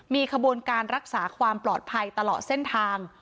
มีขบวนการรักษาความปลอดภัยตลอดเส้นทาง